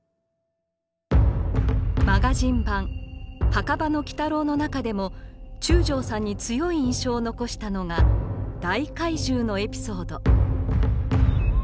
「マガジン」版「墓場の鬼太郎」の中でも中条さんに強い印象を残したのが「大海獣」のエピソード。